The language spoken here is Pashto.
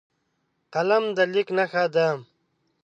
قلم د لیک نښه ده